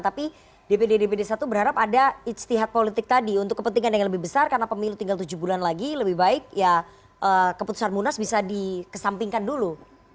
tapi dpd dpd satu berharap ada istihad politik tadi untuk kepentingan yang lebih besar karena pemilu tinggal tujuh bulan lagi lebih baik ya keputusan munas bisa dikesampingkan dulu